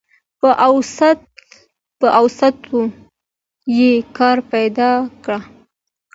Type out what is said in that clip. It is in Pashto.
په واسطو يې کار پيدا که.